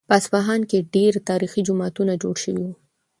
په اصفهان کې ډېر تاریخي جوماتونه جوړ شوي وو.